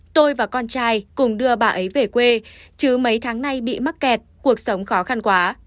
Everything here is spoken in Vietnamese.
tôi và con trai cùng đưa bà ấy về quê chứ mấy tháng nay bị mắc kẹt cuộc sống khó khăn quá